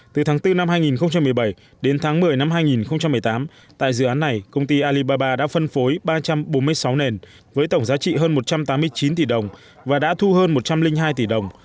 từ tháng bốn năm hai nghìn một mươi bảy đến tháng một mươi năm hai nghìn một mươi tám tại dự án này công ty alibaba đã phân phối ba trăm bốn mươi sáu nền với tổng giá trị hơn một trăm tám mươi chín tỷ đồng và đã thu hơn một trăm linh hai tỷ đồng